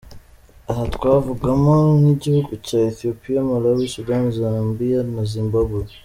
Aha twavugamo nk’igihugu cya Ethiopia, Malawi, Sudan, Zambia na Zimbabwe.